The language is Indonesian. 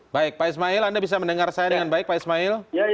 baik pak ismail anda bisa mendengar saya dengan baik pak ismail